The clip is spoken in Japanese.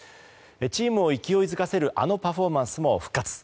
チームを勢いづかせるあのパフォーマンスも復活。